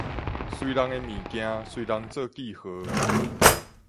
隨人的物件，隨人做記號